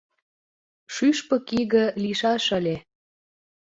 Шӱшпык иге лийшаш ыле